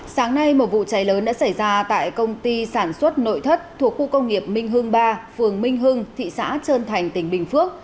sáng nay một vụ cháy lớn đã xảy ra tại công ty sản xuất nội thất thuộc khu công nghiệp minh hưng ba phường minh hưng thị xã trơn thành tỉnh bình phước